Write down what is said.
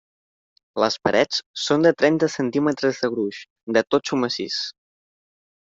Les parets són de trenta centímetres de gruix, de totxo massís.